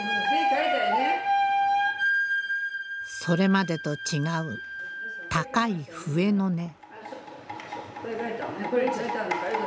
それまでと違う高い笛の音。